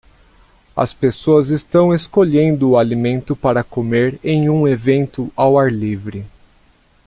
As pessoas estão escolhendo o alimento para comer em um evento ao ar livre